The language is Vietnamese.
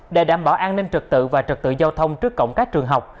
để đảm bảo an ninh trực tự và trật tự giao thông trước cổng các trường học